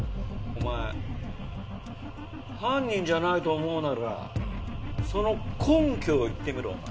お前犯人じゃないと思うならその根拠を言ってみろ。